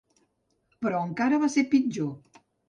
Però encara va ser pitjor.